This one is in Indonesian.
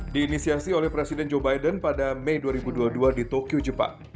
diinisiasi oleh presiden joe biden pada mei dua ribu dua puluh dua di tokyo jepang